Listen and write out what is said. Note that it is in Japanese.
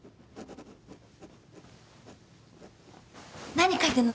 何書いてるの？